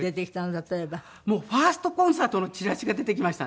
例えば。ファーストコンサートのチラシが出てきましたね。